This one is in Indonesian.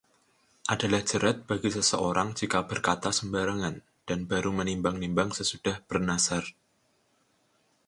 Adalah jerat bagi seseorang jika berkata sembarangan, dan baru menimbang-nimbang sesudah bernazar.